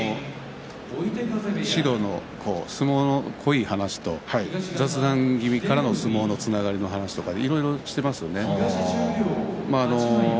指導の相撲の濃い話と雑談気味から相撲へつながる話とかいろいろ話しています。